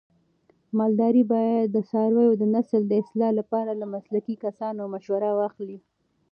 مالداران باید د څارویو د نسل د اصلاح لپاره له مسلکي کسانو مشوره واخلي.